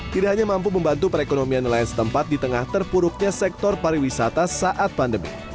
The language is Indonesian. tidak hanya mampu membantu perekonomian nelayan setempat di tengah terpuruknya sektor pariwisata saat pandemi